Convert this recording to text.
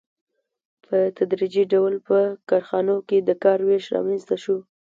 په تدریجي ډول په کارخانو کې د کار وېش رامنځته شو